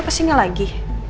lo kesini lagi